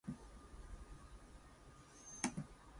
All songs written by Jeff Lynne.